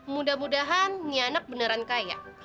mudah mudahan nianak beneran kaya